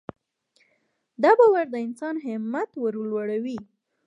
دا باور د انسان همت ورلوړوي.